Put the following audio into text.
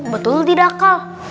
betul tidak kak